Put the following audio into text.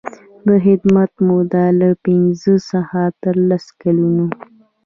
د خدمت موده له پنځه څخه تر لس کلونو.